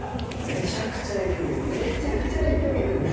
めちゃくちゃ影響受けてました。